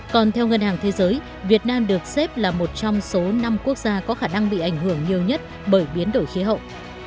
còn theo ngân hàng thế giới việt nam được xếp là một trong số năm quốc gia có khả năng bị ảnh hưởng nhiều nhất bởi biến đổi khí hậu